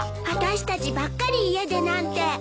私たちばっかり家でなんて。